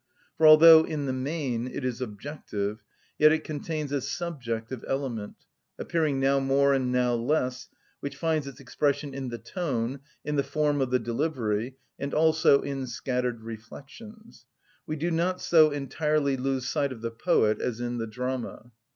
For although in the main it is objective, yet it contains a subjective element, appearing now more and now less, which finds its expression in the tone, in the form of the delivery, and also in scattered reflections. We do not so entirely lose sight of the poet as in the drama.